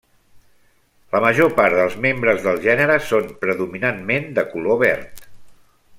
La major part dels membres del gènere són predominantment de color verd.